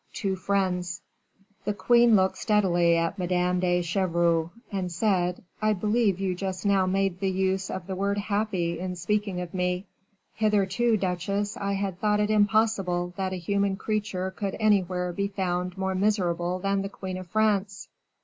Two Friends. The queen looked steadily at Madame de Chevreuse, and said: "I believe you just now made use of the word 'happy' in speaking of me. Hitherto, duchesse, I had thought it impossible that a human creature could anywhere be found more miserable than the queen of France."